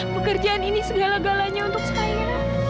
pekerjaan ini segala galanya untuk saya